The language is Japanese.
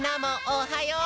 おはよう！